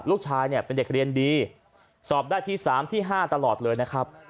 ลูกชายเนี่ยเป็นเด็กเรียนดีสอบได้ที่๓ที่๕ตลอดเลยนะครับ